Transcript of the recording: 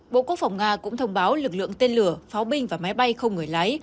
bộ quốc phòng nga cũng thông báo lực lượng tên lửa pháo binh và máy bay không người lái